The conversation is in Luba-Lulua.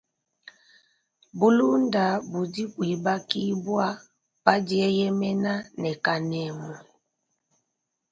Bulunda budi buibakibua pa dieyemena ne kanemu.